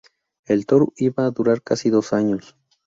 El tour iba a durar casi dos años.